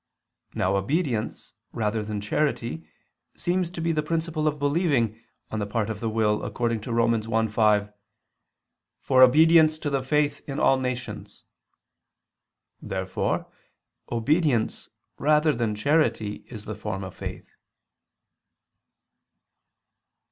Now obedience, rather than charity, seems to be the principle of believing, on the part of the will, according to Rom. 1:5: "For obedience to the faith in all nations." Therefore obedience rather than charity, is the form of faith.